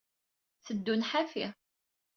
Teddun ḥafi.